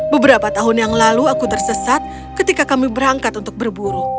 beberapa tahun yang lalu aku tersesat ketika kami berangkat untuk berburu